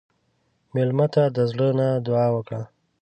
مېلمه ته د زړه نه دعا وکړه.